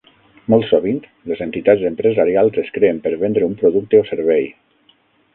Molt sovint, les entitats empresarials es creen per vendre un producte o servei.